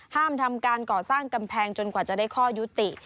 ห้ามทำการก่อสร้างกำแพงจนกว่าจะได้ข้อยุติ